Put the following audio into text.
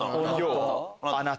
「あなた」。